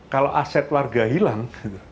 kalau aset warga hilang